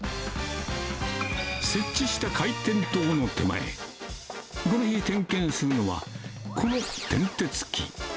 設置した回転灯の手前、この日、点検するのは、この転てつ機。